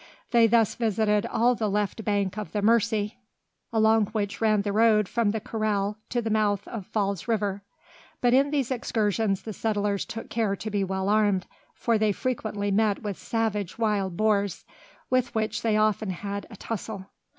They thus visited all the left bank of the Mercy, along which ran the road from the corral to the mouth of Falls River. But in these excursions the settlers took care to be well armed, for they frequently met with savage wild boars, with which they often had a tussle.